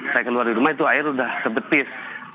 saya keluar di rumah itu air sudah terbetis